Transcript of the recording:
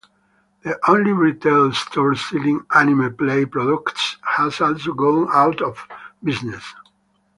The only retail store selling Anime Play products has also gone out of business.